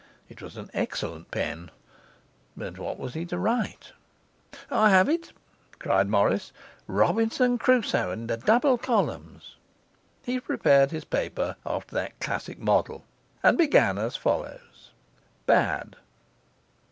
It was an excellent pen, but what was he to write? 'I have it,' cried Morris. 'Robinson Crusoe and the double columns!' He prepared his paper after that classic model, and began as follows: Bad.